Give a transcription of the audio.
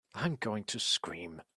I'm going to scream!